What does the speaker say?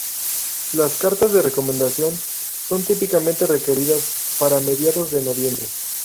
Las cartas de recomendación son típicamente requeridas para mediados de noviembre.